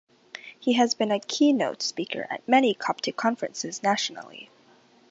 He has been a keynote speaker at many Coptic Conferences nationally.